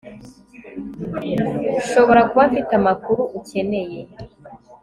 nshobora kuba mfite amakuru ukeneye